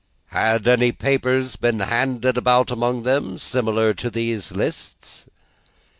"Had any papers been handed about among them, similar to these lists?"